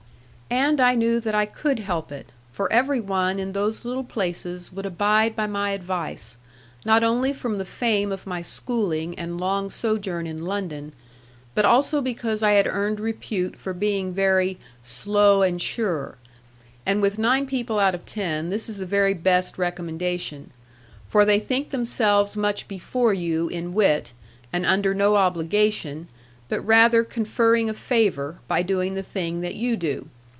And I knew that I could help it; for every one in those little places would abide by my advice; not only from the fame of my schooling and long sojourn in London, but also because I had earned repute for being very 'slow and sure': and with nine people out of ten this is the very best recommendation. For they think themselves much before you in wit, and under no obligation, but rather conferring a favour, by doing the thing that you do.